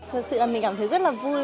thật sự là mình cảm thấy rất là vui